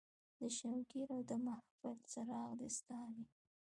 د شوګیراو د محفل څراغ دې ستا وي